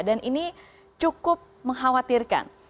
dan ini cukup mengkhawatirkan